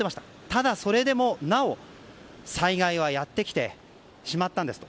ただ、それでもなお災害はやってきてしまったんですと。